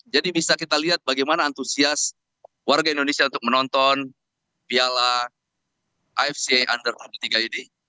jadi bisa kita lihat bagaimana antusias warga indonesia untuk menonton biala ifc under lima puluh tiga ini